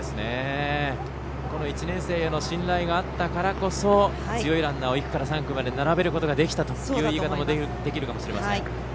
この１年生への信頼があったからこそ強いランナーを１区から３区まで並べることができたという言い方もできるかもしれません。